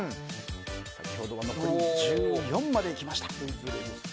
先ほどは残り１４まで行きました。